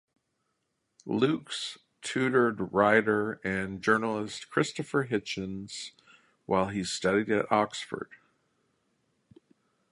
Lukes tutored writer and journalist Christopher Hitchens while he studied at Oxford.